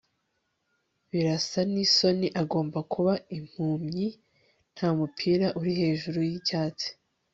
birasa nisoni, agomba kuba impumyi, ntamupira uri hejuru yicyatsi